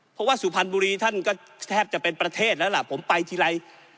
เพราะว่าสุพรรณบุรีท่านก็แทบจะเป็นประเทศแล้วล่ะผมไปทีไร